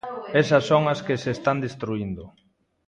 Esas son as que se están destruíndo.